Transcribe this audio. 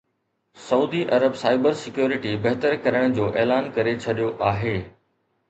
سعودي عرب cyber security بهتر ڪرڻ جو اعلان ڪري ڇڏيو آهي